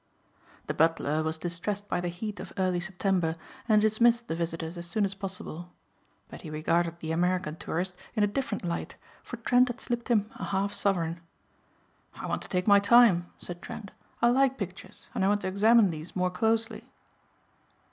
The butler was distressed by the heat of early September and dismissed the visitors as soon as possible. But he regarded the American tourist in a different light for Trent had slipped him a half sovereign. "I want to take my time," said Trent, "I like pictures and I want to examine these more closely."